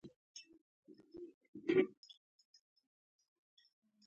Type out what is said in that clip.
لښکرو سره روان شو.